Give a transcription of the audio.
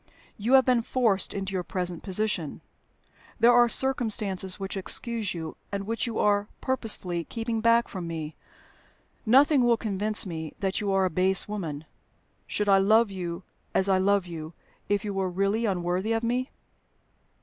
"You have been forced into your present position: there are circumstances which excuse you, and which you are purposely keeping back from me. Nothing will convince me that you are a base woman. Should I love you as I love you, if you were really unworthy of me?"